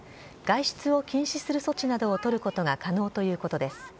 外出を禁止する措置などを取ることが可能ということです。